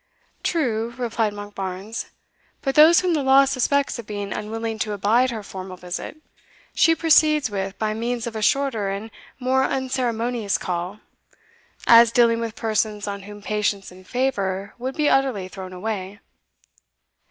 "True," replied Monkbarns; "but those whom the law suspects of being unwilling to abide her formal visit, she proceeds with by means of a shorter and more unceremonious call, as dealing with persons on whom patience and favour would be utterly thrown away."